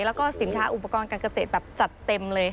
แล้วก็สินค้าอุปกรณ์การเกษตรแบบจัดเต็มเลย